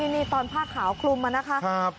นี่ตอนผ้าขาวคลุมมานะคะ